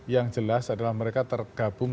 yang jelas adalah mereka tergabung